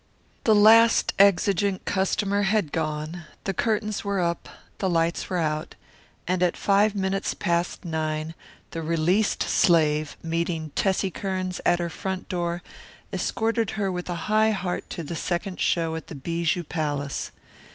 The last exigent customer had gone, the curtains were up, the lights were out, and at five minutes past nine the released slave, meeting Tessie Kearns at her front door, escorted her with a high heart to the second show at the Bijou Palace.